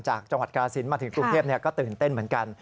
จากจังหวัดกาศิลป์มาถึงกรุงเทพก็ตื่นเต้นเหมือนกัน